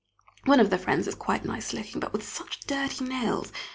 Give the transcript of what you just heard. One of the friends is quite nice looking, but with such dirty nails.